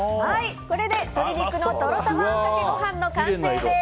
これで鶏肉のとろたまあんかけご飯の完成です。